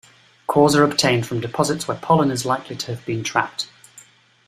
Cores are obtained from deposits where pollen is likely to have been trapped.